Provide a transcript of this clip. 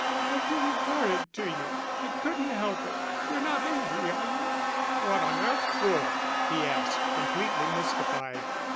"I've been horrid to you; I couldn't help it. You're not angry, are you?" "What on earth for?" he asked, completely mystified.